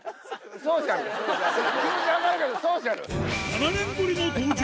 ７年ぶりの登場